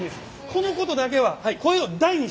このことだけは声を大にして。